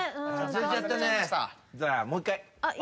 じゃあもう一回。